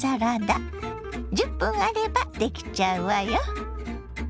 １０分あればできちゃうわよ。